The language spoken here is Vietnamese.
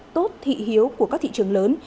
tốt thị hiếu của các thị trường lớn